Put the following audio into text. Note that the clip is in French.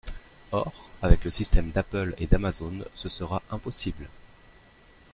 Or, avec le système d’Apple et d’Amazon, ce sera impossible.